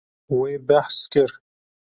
Wê behs kir.